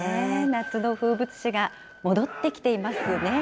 夏の風物詩が戻ってきていますね。